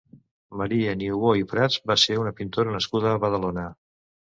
Maria Niubó i Prats va ser una pintora nascuda a Badalona.